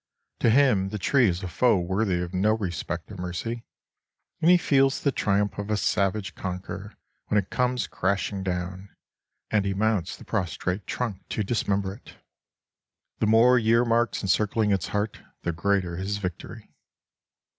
To him the tree is a foe worthy of no respect or mercy, and he feels the triumph of a savage conquerer when it comes crashing down and he mounts the prostrate trunk to dismember it; the more year marks encircling its heart, the greater his victory.